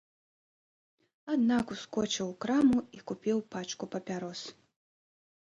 Аднак ускочыў у краму і купіў пачку папярос.